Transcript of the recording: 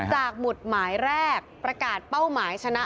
หมุดหมายแรกประกาศเป้าหมายชนะ